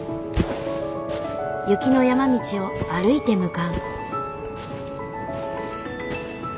雪の山道を歩いて向かう。